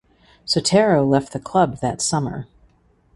Sotero left the club that summer.